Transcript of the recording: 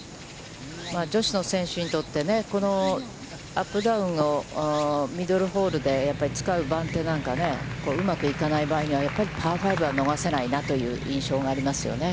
女子の選手にとって、このアップダウンのミドルホールでやっぱり使う番手なんか、うまくいかない場合には、やっぱりパー５は逃せないなという印象がありますね。